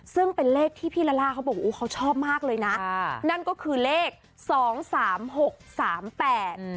ซึ่งเป็นเลขที่พี่ลาล่าเขาบอกโอ้เขาชอบมากเลยนะอ่านั่นก็คือเลขสองสามหกสามแปดอืม